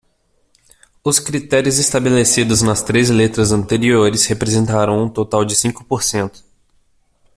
Os critérios estabelecidos nas três letras anteriores representarão um total de cinco por cento.